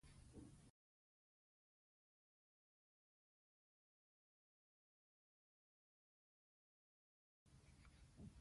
د ولس ملاتړ د کړنو پایله ده